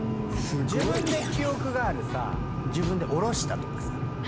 自分で記憶があるさ自分で下ろしたとかさあるじゃん。